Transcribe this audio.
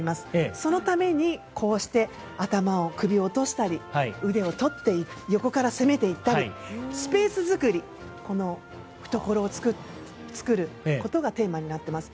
そのために、こうして頭を、首落としたり腕をとって横から攻めていったりスペース作りこの懐を作ることがテーマになっています。